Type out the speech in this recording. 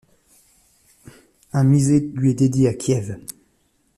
Un musée lui est dédié à Kiev.